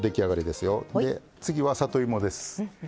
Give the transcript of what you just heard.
で次は里芋です。